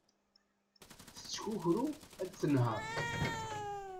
Tettkukru ad tenher.